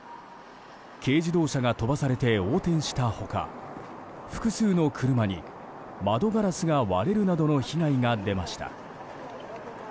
軽自動車が飛ばされて横転した他複数の車に、窓ガラスが割れるなどの被害が出ました。